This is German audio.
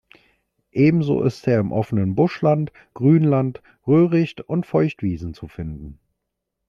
Ebenso ist er im offenen Buschland, Grünland, Röhricht und Feuchtwiesen zu finden.